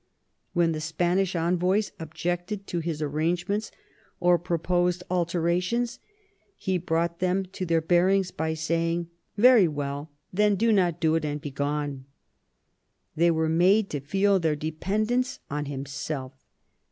When the Spanish envoys objected to his arrangements or proposed alterations, he brought them to their bearings by saying, "Very well ; then do not do it and begone." They were made to feel their dependence on himself.